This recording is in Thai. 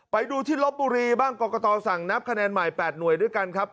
ไปดูที่ลบบุรีบ้างกรกตสั่งนับคะแนนใหม่๘หน่วยด้วยกันครับ